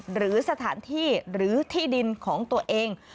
หรือสถานที่หรือที่ดินของตัวเอง